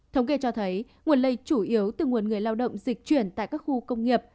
thống kê cho thấy nguồn lây chủ yếu từ nguồn người lao động dịch chuyển tại các khu công nghiệp